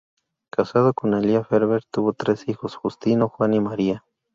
Casado con Elia Ferber, tuvo tres hijos: Justino, Juan y María.